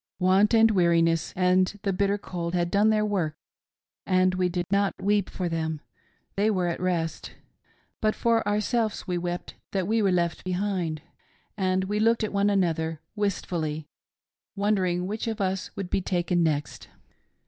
Want, and weariness, and the bitter cold had done their work, and we did not weep for them — they were at rest ; but for ourselves we wept that we were left behind — and we looked at one another, wistfully, wondering which of us would be taken next.